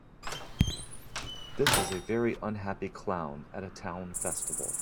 This is a very unhappy clown at a town festival.